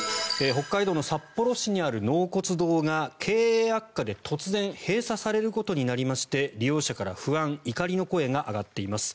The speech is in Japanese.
北海道の札幌市にある納骨堂が経営悪化で突然閉鎖されることになりまして利用者らから不安、怒りの声が上がっています。